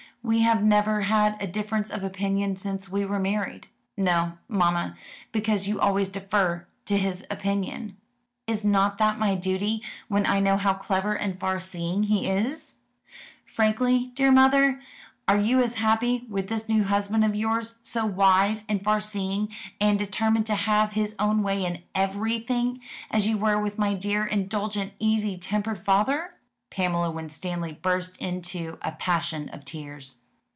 We have never had a difference of opinion since we were married." "No, mamma, because you always defer to his opinion." "Is not that my duty, when I know how clever and far seeing he is?" "Frankly, dear mother, are you as happy with this new husband of yours so wise and far seeing, and determined to have his own way in everything as you were with my dear, indulgent, easy tempered father?" Pamela Winstanley burst into a passion of tears.